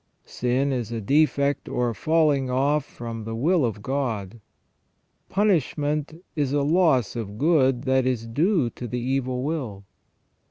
Sin is a defect or falling off from the will of God. Punishment is a loss of good that is due to the evil will.